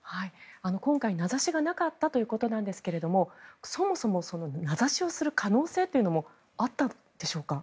今回、名指しがなかったということなんですがそもそも名指しをする可能性というのもあったんでしょうか。